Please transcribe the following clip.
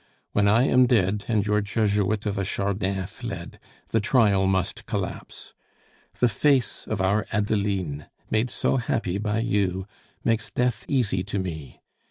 When I am dead and your Jesuit of a Chardin fled, the trial must collapse. The face of our Adeline, made so happy by you, makes death easy to me.